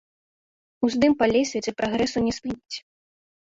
Уздым па лесвіцы прагрэсу не спыніць.